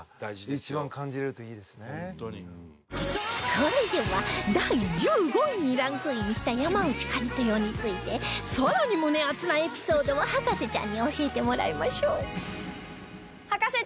それでは第１５位にランクインした山内一豊についてさらに胸アツなエピソードを博士ちゃんに教えてもらいましょう